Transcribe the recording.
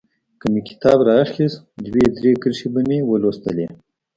که مې کتاب رااخيست دوه درې کرښې به مې ولوستلې.